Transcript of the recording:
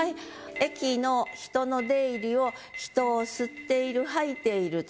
駅の人の出入りを人を吸っている吐いていると。